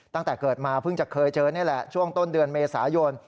ตั้งแต่เกิดมาเพิ่งจะเคยเจอนี่แหละช่วงต้นเดือนเมษายน